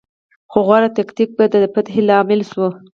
خو غوره تکتیک به د فتحې لامل شو.